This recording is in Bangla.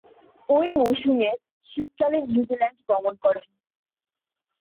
ঐ মৌসুমের শীতকালে নিউজিল্যান্ড গমন করেন।